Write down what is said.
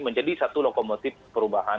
menjadi satu lokomotif perubahan